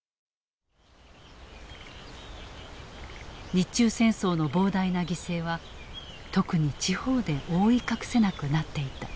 日中戦争の膨大な犠牲は特に地方で覆い隠せなくなっていた。